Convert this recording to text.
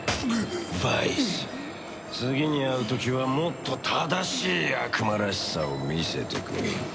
バイス次に会う時はもっと正しい悪魔らしさを見せてくれ。